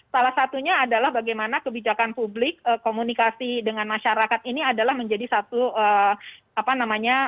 salah satunya adalah bagaimana kebijakan publik komunikasi dengan masyarakat ini adalah menjadi satu apa namanya